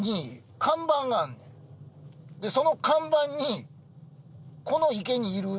その看板に。